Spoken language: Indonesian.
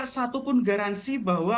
satupun garansi bahwa